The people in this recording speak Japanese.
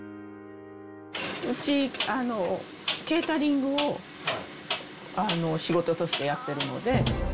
うち、ケータリングを仕事としてやってるので。